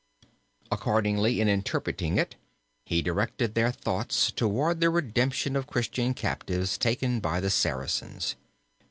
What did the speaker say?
Accordingly in interpreting it, he directed their thoughts toward the redemption of Christian captives taken by the Saracens.